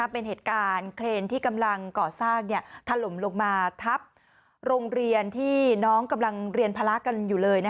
เป็นเหตุการณ์เครนที่กำลังก่อสร้างถล่มลงมาทับโรงเรียนที่น้องกำลังเรียนภาระกันอยู่เลย